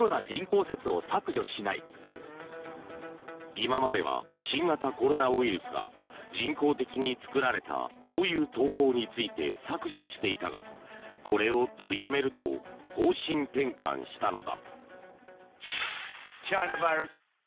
今までは新型コロナウイルスが人工的に作られたという投稿について削除していたがこれを取りやめると方針転換したのだ。